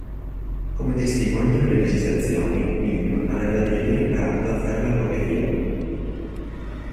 Come testimoniano le registrazioni, Nim aveva addirittura imparato a fare la propria firma.